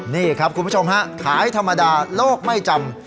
นี่ครับคุณผู้ชมฮะขายธรรมดาโลกไม่จำ